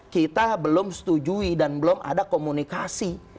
kita belum setujui dan belum ada komunikasi